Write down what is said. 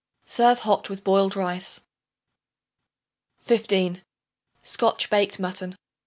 Serve hot with boiled rice. 15. Scotch Baked Mutton.